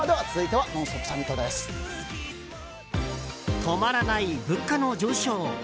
続いては止まらない物価の上昇。